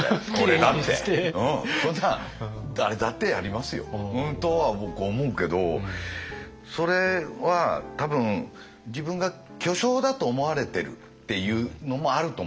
俺だってそんなん誰だってやりますよ。とは僕思うけどそれは多分自分が巨匠だと思われてるっていうのもあると思うんですよ。